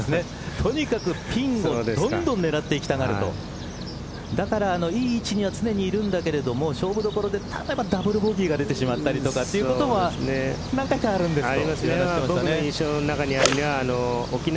とにかくピンをどんどん狙っていきたがるとだからいい位置には常にいるんだけども勝負どころでぱたぱたとダブルボギーが出てしまったりということも何回かあるんですよ。